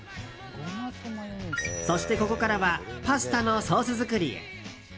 そしてここからはパスタのソース作りへ。